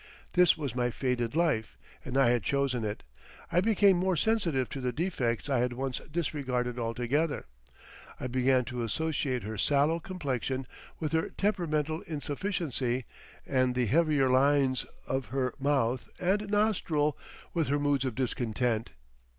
This was my fated life, and I had chosen it. I became more sensitive to the defects I had once disregarded altogether; I began to associate her sallow complexion with her temperamental insufficiency, and the heavier lines of her mouth and nostril with her moods of discontent.